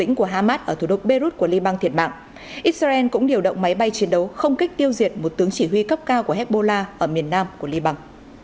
israel cũng đều động máy bay chiến đấu không kích tiêu diệt một tướng chỉ huy cấp cao của hezbollah ở miền nam của liban